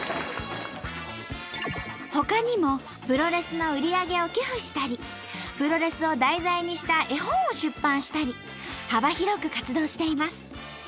ほかにもプロレスの売り上げを寄付したりプロレスを題材にした絵本を出版したり幅広く活動しています。